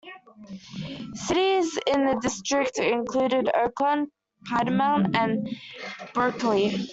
Cities in the district included Oakland, Piedmont and Berkeley.